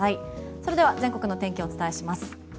それでは全国の天気をお伝えします。